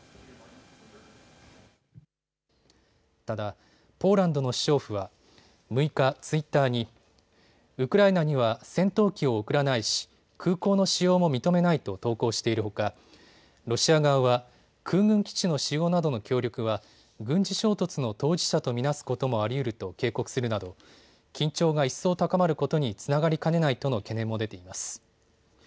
ただポーランドの首相府は６日、ツイッターにウクライナには戦闘機を送らないし、空港の使用も認めないと投稿しているほかロシア側は空軍基地の使用などの協力は軍事衝突の当事者と見なすこともありうると警告するなど緊張が一層高まることにつながりかねないとの懸念も出ています。